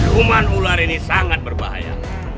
kuman ular ini sangat berbahaya